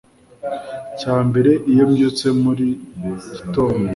cya mbere iyo mbyutse buri gitondo.